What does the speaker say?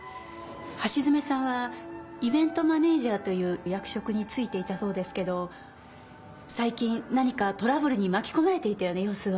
橋爪さんはイベントマネージャーという役職に就いていたそうですけど最近何かトラブルに巻き込まれていたような様子は。